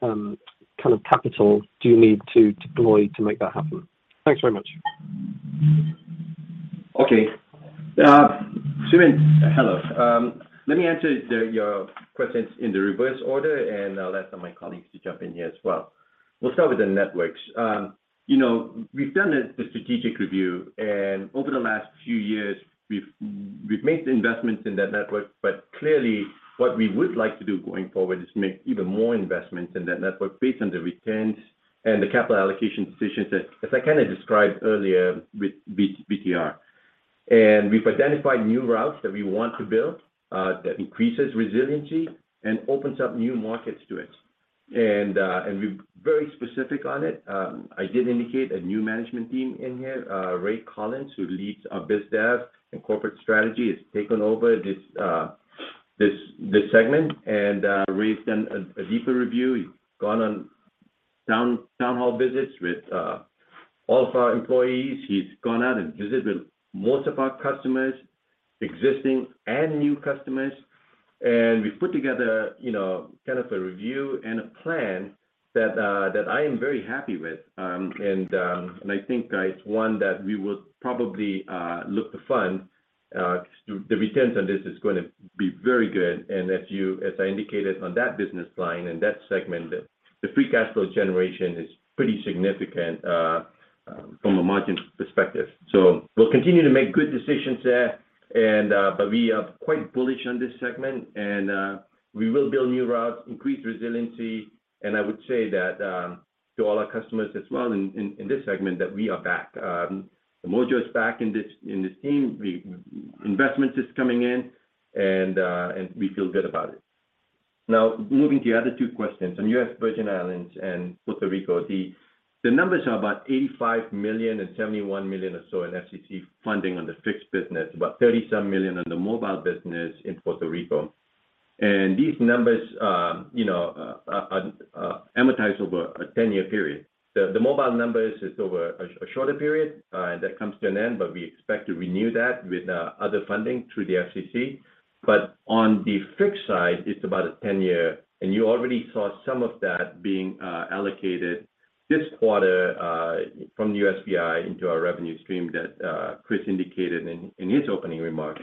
what kind of capital do you need to deploy to make that happen? Thanks very much. Soomit, hello. Let me answer your questions in the reverse order, and I'll let some of my colleagues jump in here as well. We'll start with the networks. You know, we've done a strategic review, and over the last few years, we've made the investments in that network. Clearly, what we would like to do going forward is make even more investments in that network based on the returns and the capital allocation decisions that, as I kinda described earlier with VTR. We've identified new routes that we want to build that increases resiliency and opens up new markets to it. We're very specific on it. I did indicate a new management team here. Ray Collins, who leads our BizDev and corporate strategy, has taken over this segment. Ray's done a deeper review. He's gone on town hall visits with all of our employees. He's gone out and visited with most of our customers, existing and new customers. We put together, you know, kind of a review and a plan that I am very happy with. I think that it's one that we would probably look to fund because the returns on this is gonna be very good. As I indicated on that business line, in that segment, the free cash flow generation is pretty significant from a margin perspective. We'll continue to make good decisions there. We are quite bullish on this segment and we will build new routes, increase resiliency. I would say that to all our customers as well in this segment that we are back. The mojo is back in this team. Investment is coming in and we feel good about it. Now, moving to your other two questions on U.S. Virgin Islands and Puerto Rico. The numbers are about $85 million and $71 million or so in FCC funding on the fixed business, about $37 million on the mobile business in Puerto Rico. These numbers, you know, are amortized over a 10-year period. The mobile numbers is over a shorter period and that comes to an end, but we expect to renew that with other funding through the FCC. On the fixed side, it's about a 10-year, and you already saw some of that being allocated this quarter from the USVI into our revenue stream that Chris indicated in his opening remarks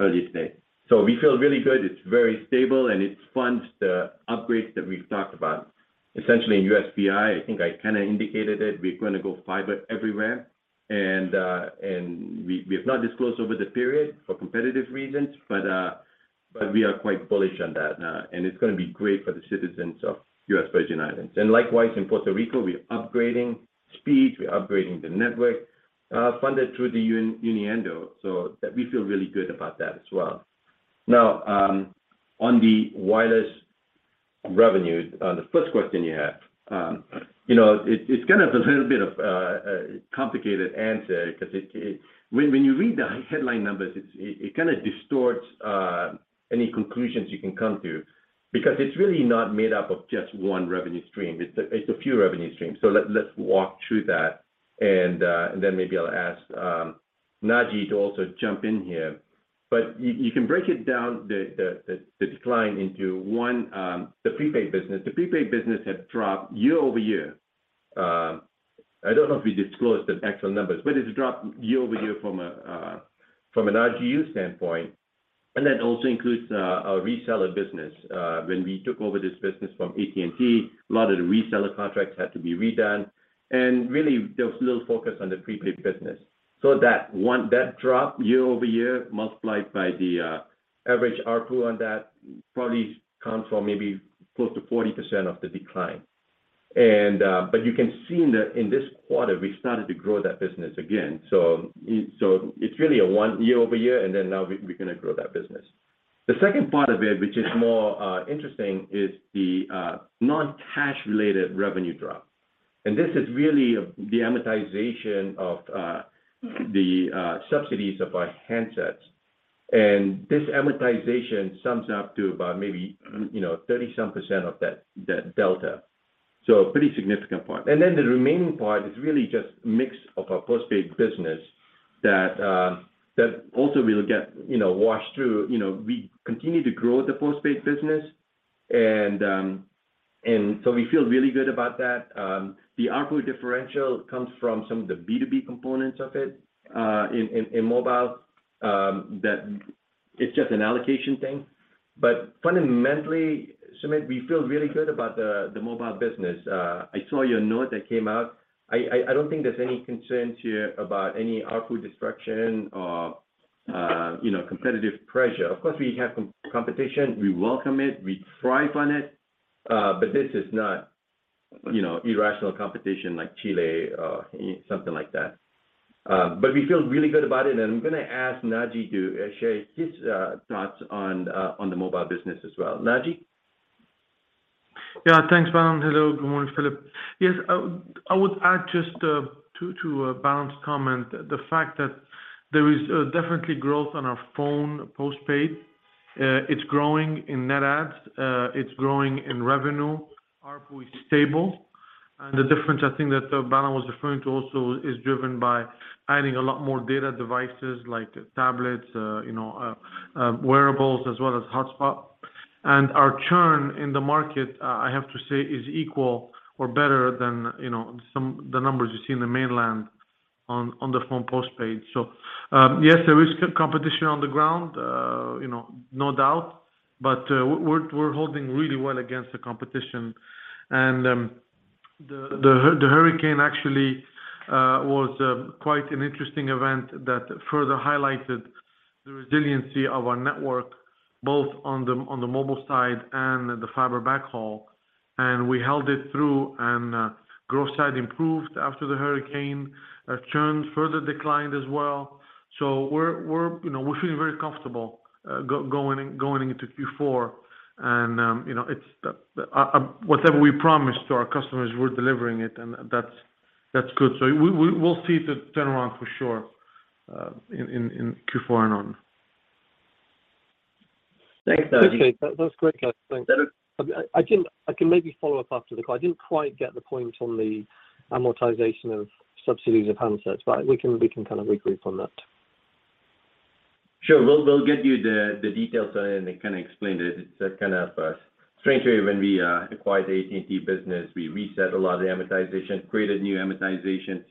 earlier today. We feel really good. It's very stable, and it funds the upgrades that we've talked about. Essentially in USVI, I think I kinda indicated it, we're gonna go fiber everywhere. We have not disclosed over the period for competitive reasons, but we are quite bullish on that. It's gonna be great for the citizens of US Virgin Islands. Likewise, in Puerto Rico, we're upgrading speed, we're upgrading the network, funded through the Uniendo. That we feel really good about as well. Now, on the wireless revenue, on the first question you had. You know, it's kind of a little bit of a complicated answer because when you read the headline numbers, it kinda distorts any conclusions you can come to because it's really not made up of just one revenue stream. It's a few revenue streams. Let's walk through that and then maybe I'll ask Naji to also jump in here. You can break it down, the decline into one, the prepaid business. The prepaid business have dropped year-over-year. I don't know if we disclosed the actual numbers, but it's dropped year-over-year from an RGU standpoint, and that also includes our reseller business. When we took over this business from AT&T, a lot of the reseller contracts had to be redone, and really there was little focus on the prepaid business. That one, that drop year-over-year, multiplied by the average ARPU on that probably accounts for maybe close to 40% of the decline. But you can see in this quarter, we started to grow that business again. It's really a one year-over-year, and then now we're gonna grow that business. The second part of it, which is more interesting, is the non-cash related revenue drop. This is really the amortization of the subsidies of our handsets. This amortization sums up to about maybe, you know, 37% of that delta, so a pretty significant point. Then the remaining part is really just mix of our postpaid business that also will get, you know, washed through. You know, we continue to grow the postpaid business and so we feel really good about that. The ARPU differential comes from some of the B2B components of it in mobile that it's just an allocation thing. But fundamentally, Soomit, we feel really good about the mobile business. I saw your note that came out. I don't think there's any concerns here about any ARPU destruction or, you know, competitive pressure. Of course, we have competition, we welcome it, we thrive on it, but this is not, you know, irrational competition like Chile or something like that. We feel really good about it, and I'm gonna ask Naji to share his thoughts on the mobile business as well. Naji? Yeah, thanks, Balan. Hello. Good morning, Philip. Yes, I would add just to Balan's comment, the fact that there is definitely growth on our phone postpaid. It's growing in net adds, it's growing in revenue. ARPU is stable, and the difference I think that Balan was referring to also is driven by adding a lot more data devices like tablets, you know, wearables as well as hotspot. And our churn in the market, I have to say is equal or better than, you know, some of the numbers you see in the mainland on the phone postpaid. Yes, there is competition on the ground, you know, no doubt, but we're holding really well against the competition. The hurricane actually was quite an interesting event that further highlighted the resiliency of our network, both on the mobile side and the fiber backhaul, and we held it through. Growth side improved after the hurricane, churn further declined as well. You know, we're feeling very comfortable going into Q4 and, you know, it's whatever we promised to our customers, we're delivering it, and that's good. We will see the turnaround for sure in Q4 and on. Thanks, Naji. Okay. That, that's great. Thanks. Tad- I can maybe follow up after the call. I didn't quite get the point on the amortization of subsidies of handsets, but we can kind of regroup on that. Sure. We'll get you the details and then kinda explain it. It's a kind of strange way when we acquired the AT&T business, we reset a lot of the amortization, created new amortization.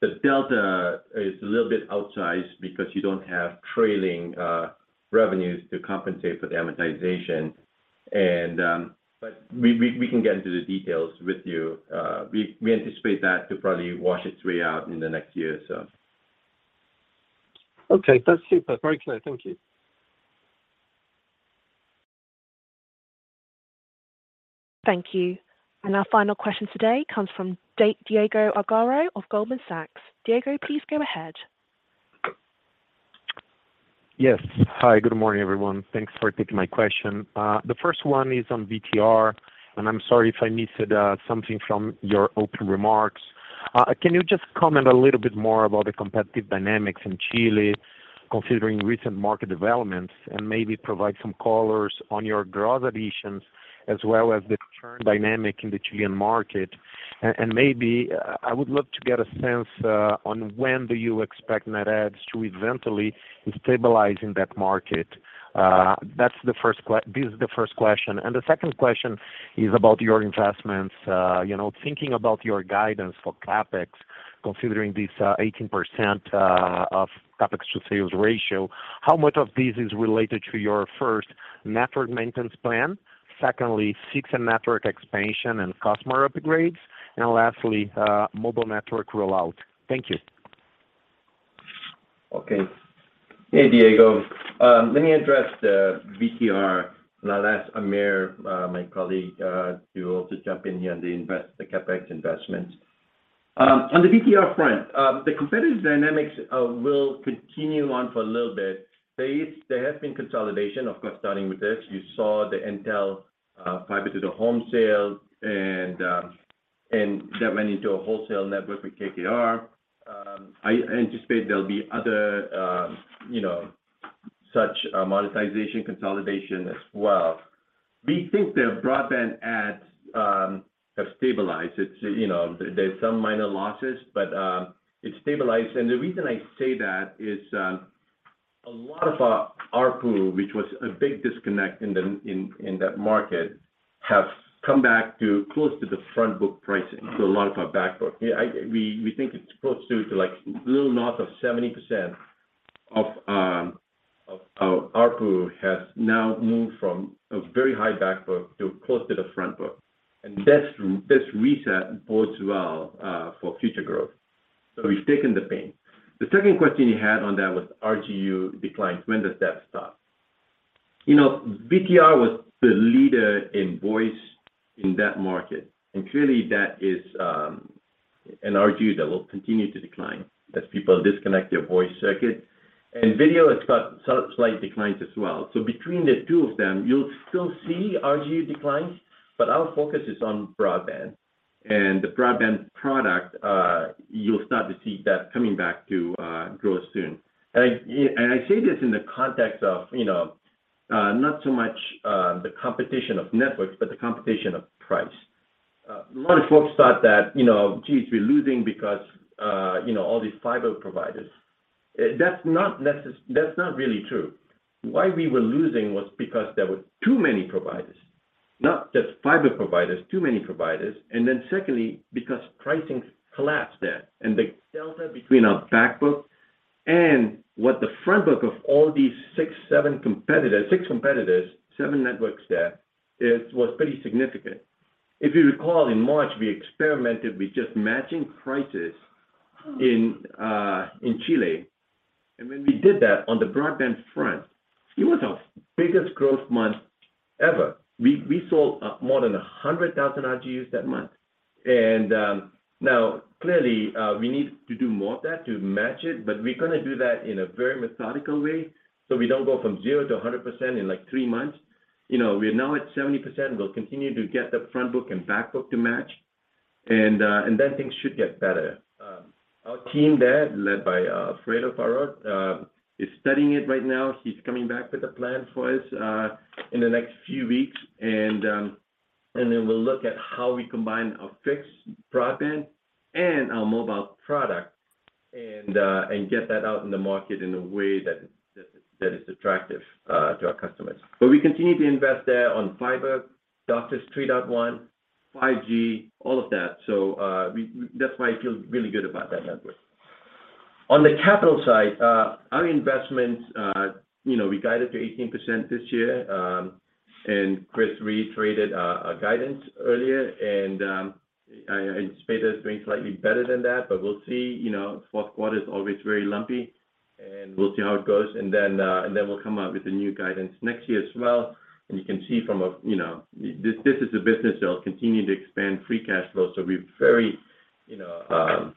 The delta is a little bit outsized because you don't have trailing revenues to compensate for the amortization. We can get into the details with you. We anticipate that to probably wash its way out in the next year. Okay. That's super. Very clear. Thank you. Thank you. Our final question today comes from Diego Aragao of Goldman Sachs. Diego, please go ahead. Yes. Hi. Good morning, everyone. Thanks for taking my question. The first one is on VTR, and I'm sorry if I missed something from your opening remarks. Can you just comment a little bit more about the competitive dynamics in Chile considering recent market developments, and maybe provide some colors on your growth additions as well as the churn dynamic in the Chilean market? And maybe I would love to get a sense on when do you expect net adds to eventually stabilize in that market. That's the first question. The second question is about your investments. You know, thinking about your guidance for CapEx, considering this, 18% of CapEx to sales ratio, how much of this is related to your first network maintenance plan, secondly, fixed network expansion and customer upgrades, and lastly, mobile network rollout? Thank you. Okay. Hey, Diego. Let me address the VTR and I'll ask Aamir, my colleague, to also jump in here on the CapEx investments. On the VTR front, the competitive dynamics will continue on for a little bit. There has been consolidation, of course, starting with this. You saw the Entel fiber to the home sale, and that went into a wholesale network with VTR. I anticipate there'll be other, you know, such monetization consolidation as well. We think the broadband adds have stabilized. It's, you know, there's some minor losses, but it's stabilized. The reason I say that is, a lot of ARPU, which was a big disconnect in that market, has come back to close to the front book pricing to a lot of our back book. We think it's close to like a little north of 70% of ARPU has now moved from a very high back book to close to the front book, and this reset bodes well for future growth. We've taken the pain. The second question you had on that was RGU declines. When does that stop? You know, VTR was the leader in voice in that market, and clearly that is an RGU that will continue to decline as people disconnect their voice circuit. Video, it's got slight declines as well. Between the two of them, you'll still see RGU declines, but our focus is on broadband. The broadband product, you'll start to see that coming back to grow soon. I say this in the context of, you know, not so much the competition of networks, but the competition of price. A lot of folks thought that, you know, geez, we're losing because, you know, all these fiber providers. That's not really true. Why we were losing was because there were too many providers. Not just fiber providers, too many providers. Then secondly, because pricing collapsed there. The delta between our back book and what the front book of all these six, seven competitors, six competitors, seven networks there, was pretty significant. If you recall, in March, we experimented with just matching prices in Chile. When we did that on the broadband front, it was our biggest growth month ever. We sold more than 100,000 RGUs that month. Now, clearly, we need to do more of that to match it, but we're gonna do that in a very methodical way, so we don't go from zero to 100% in, like, three months. You know, we're now at 70%. We'll continue to get the front book and back book to match, and then things should get better. Our team there, led by Alfredo Parot, is studying it right now. He's coming back with a plan for us in the next few weeks, and then we'll look at how we combine our fixed broadband and our mobile product and get that out in the market in a way that is attractive to our customers. We continue to invest there on fiber, DOCSIS 3.1, 5G, all of that. That's why I feel really good about that network. On the capital side, our investments, you know, we guided to 18% this year, and Chris reiterated our guidance earlier, and I anticipate us doing slightly better than that, but we'll see. You know, fourth quarter is always very lumpy, and we'll see how it goes and then we'll come out with a new guidance next year as well. You can see from a, you know. This is a business that will continue to expand free cash flow. We're very, you know,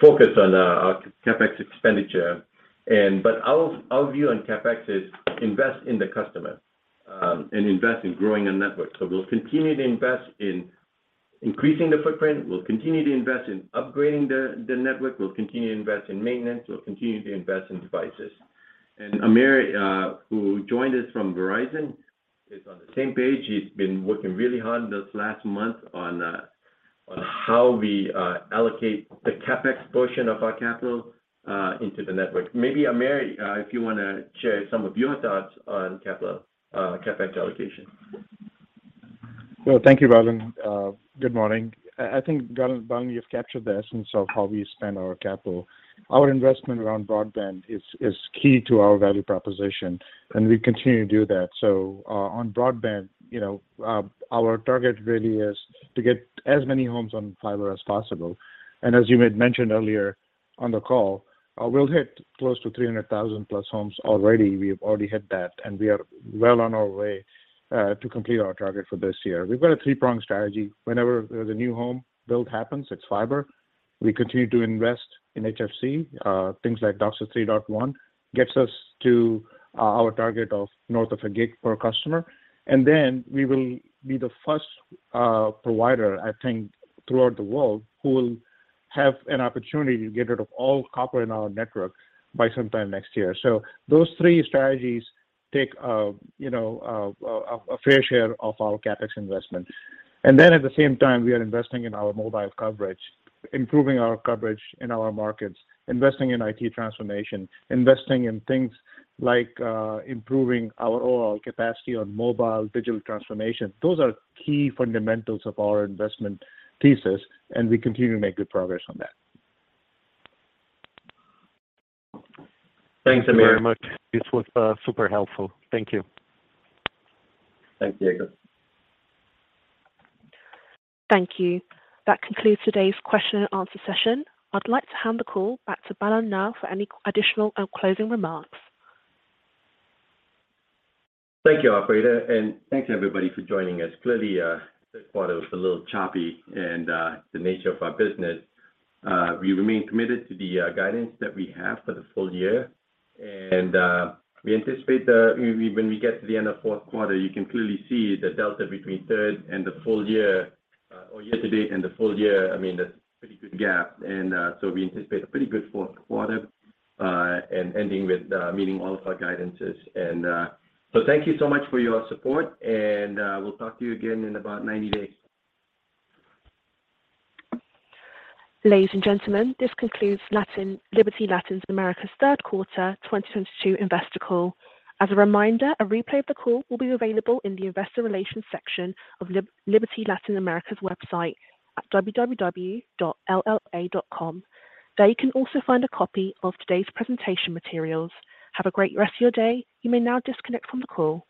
focused on our CapEx expenditure. Our view on CapEx is invest in the customer and invest in growing a network. We'll continue to invest in increasing the footprint. We'll continue to invest in upgrading the network. We'll continue to invest in maintenance. We'll continue to invest in devices. Aamir, who joined us from Verizon, is on the same page. He's been working really hard this last month on how we allocate the CapEx portion of our capital into the network. Maybe, Aamir, if you wanna share some of your thoughts on capital CapEx allocation. Well, thank you, Balan. Good morning. I think, Balan, you've captured the essence of how we spend our capital. Our investment around broadband is key to our value proposition, and we continue to do that. On broadband, you know, our target really is to get as many homes on fiber as possible. As you had mentioned earlier on the call, we'll hit close to 300,000+ homes already. We've already hit that, and we are well on our way to complete our target for this year. We've got a three-pronged strategy. Whenever there's a new home build happens, it's fiber. We continue to invest in HFC, things like DOCSIS 3.1 gets us to our target of north of a gig per customer. We will be the first provider, I think, throughout the world, who will have an opportunity to get rid of all copper in our network by sometime next year. Those three strategies take, you know, a fair share of our CapEx investment. At the same time, we are investing in our mobile coverage, improving our coverage in our markets, investing in IT transformation, investing in things like, improving our overall capacity on mobile, digital transformation. Those are key fundamentals of our investment thesis, and we continue to make good progress on that. Thanks, Aamir. Thank you very much. This was super helpful. Thank you. Thanks, Diego. Thank you. That concludes today's question and answer session. I'd like to hand the call back to Balan now for any additional or closing remarks. Thank you, operator, and thanks everybody for joining us. Clearly, third quarter was a little choppy and the nature of our business, we remain committed to the guidance that we have for the full year. We anticipate, when we get to the end of fourth quarter, you can clearly see the delta between third and the full year, or year to date and the full year. I mean, that's a pretty good gap. So we anticipate a pretty good fourth quarter, and ending with meeting all of our guidances. So thank you so much for your support and we'll talk to you again in about 90 days. Ladies and gentlemen, this concludes Liberty Latin America's third quarter 2022 investor call. As a reminder, a replay of the call will be available in the investor relations section of Liberty Latin America's website at www.lla.com. There you can also find a copy of today's presentation materials. Have a great rest of your day. You may now disconnect from the call.